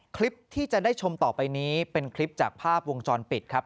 คลิปที่จะได้ชมต่อไปนี้เป็นคลิปจากภาพวงจรปิดครับ